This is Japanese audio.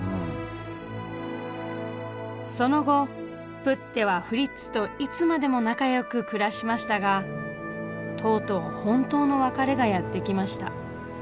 その後プッテはフリッツといつまでも仲よく暮らしましたがとうとう本当の別れがやって来ました。